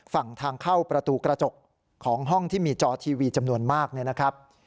ฝั่งทางเข้าประตูกระจกของห้องที่มีจอทีวีจำนวนมากเนี่ยนะครับ